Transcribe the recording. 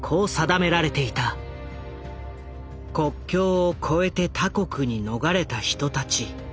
「国境を越えて他国に逃れた人たち」。